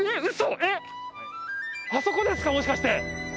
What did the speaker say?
あそこですかもしかして。